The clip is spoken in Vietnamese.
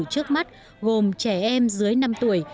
trước mắt gồm trẻ em dưới năm tuổi